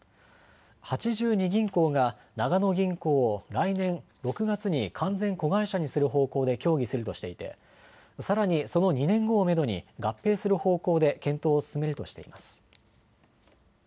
八十二銀行が長野銀行を来年６月に完全子会社にする方向で協議するとしていてさらにその２年後をめどに合併する方向で検討を進めるとしています。